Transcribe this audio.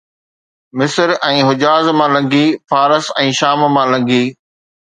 مصر ۽ حجاز مان لنگھي، فارس ۽ شام مان لنگھي